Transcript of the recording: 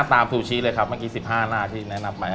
ตัวซุชิคเลยครับเมื่อกี้๑๕นาทีแนะนำใหม่